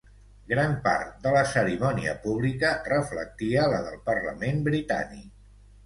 Gran part de la cerimònia pública reflectia la del Parlament britànic.